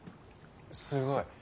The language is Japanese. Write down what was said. すごい。